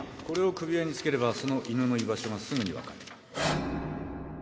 これを首輪に付ければその犬の居場所がすぐに分かる